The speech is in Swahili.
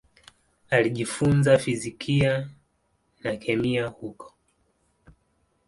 Alijifunza fizikia na kemia huko.